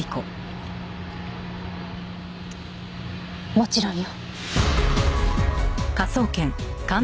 もちろんよ。